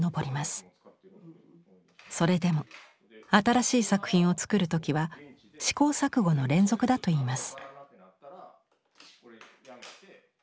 それでも新しい作品を作る時は試行錯誤の連続だといいます。